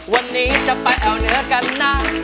วันนี้จะไปเอาเนื้อกันหน้า